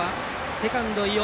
セカンド、伊尾。